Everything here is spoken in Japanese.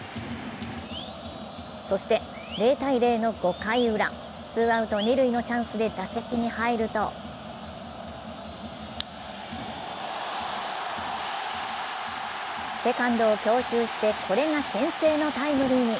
そして０−０の５回ウラ、ツーアウト二塁のチャンスで打席に入るとセカンドを強襲して、これが先制のタイムリーに。